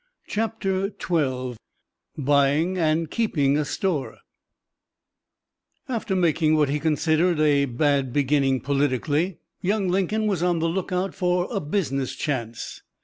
CHAPTER XII BUYING AND KEEPING A STORE After making what he considered a bad beginning politically, young Lincoln was on the lookout for a "business chance."